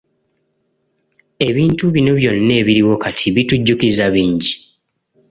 Ebintu bino byonna ebiriwo kati bitujjukiza bingi.